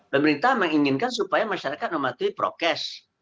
pemerintah menginginkan supaya masyarakat mematuhi prokes